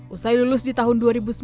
usai lulus di tahun dua ribu sembilan